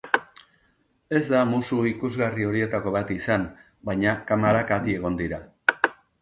Ez da musu ikusgarri horietako bat izan, baina kamarak adi egon dira.